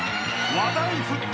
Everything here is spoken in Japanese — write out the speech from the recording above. ［話題沸騰！